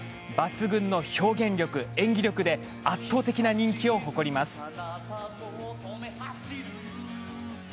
抜群の表現力、演技力で圧倒的な人気を誇ります。